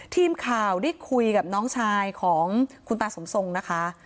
ทีมข่าวได้คุยกับน้องชายของคุณตาสมทรงนะคะ